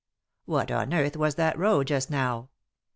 What on earth was that row just now?